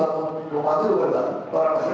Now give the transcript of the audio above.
kalau saya pikir